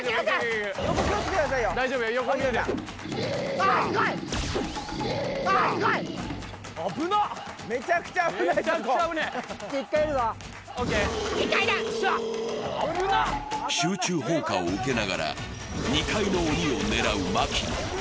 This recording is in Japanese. あぶな、めちゃくちゃ危ねえ集中砲火を受けながら２階の鬼を狙う槙野。